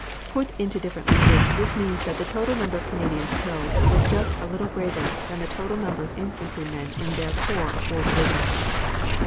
Put into different language this means that the number of Canadians killed was just a little greater than the total number of infantrymen in their corps of four divisions.